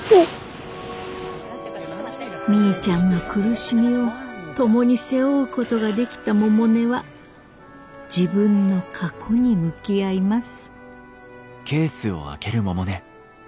みーちゃんの苦しみを共に背負うことができた百音は自分の過去に向き合います。